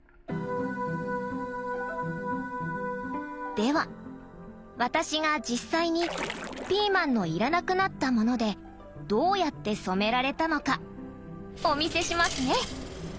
では私が実際にピーマンの要らなくなったものでどうやって染められたのかお見せしますね！